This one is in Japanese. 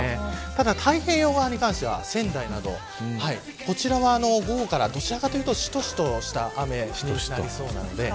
太平洋側に関しては仙台など午後から、どちらかというとしとしとした雨になりそうです。